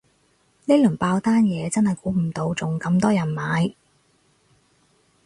呢輪爆單嘢真係估唔到仲咁多人買